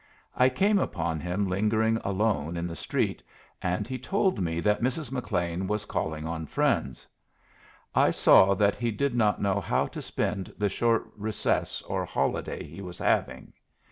I came upon him lingering alone in the street, and he told me that Mrs. McLean was calling on friends. I saw that he did not know how to spend the short recess or holiday he was having.